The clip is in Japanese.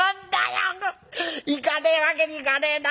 行かねえわけにいかねえな。